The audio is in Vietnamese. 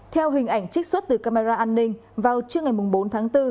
theo hình ảnh trích xuất từ camera an ninh vào trưa ngày bốn tháng bốn